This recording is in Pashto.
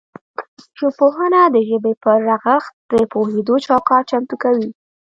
ژبپوهنه د ژبې پر رغښت د پوهیدو چوکاټ چمتو کوي